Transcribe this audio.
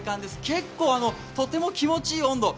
結構とても気持ちいい温度。